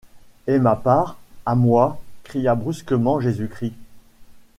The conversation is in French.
Et ma part, à moi! cria brusquement Jésus-Christ.